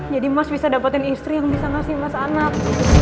jadi mas bisa dapatin istri yang bisa ngasih mas anak